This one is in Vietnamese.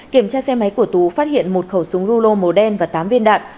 kiểm tra xe máy của tú phát hiện một khẩu súng rulo màu đen và tám viên đạn